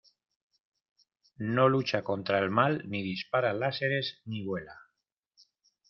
¡ No lucha contra el mal, ni dispara láseres , ni vuela!